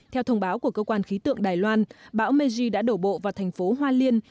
theo thông báo của cơ quan khí tượng đài loan bão meji đã đổ bộ vào thành phố hoa liên